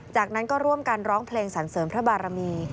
จากนั้นก็ร่วมกันร้องเพลงสรรเสริมพระบารมี